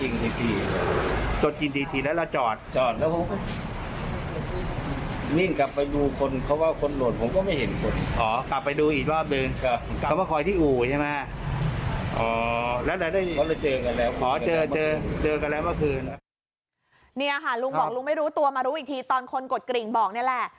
นี่ค่ะลุงบอกลุงไม่รู้ตัวมารู้อีกทีตอนคนกดกริ่งบอกนี่แหละ